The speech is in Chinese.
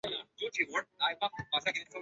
来回一千两百日币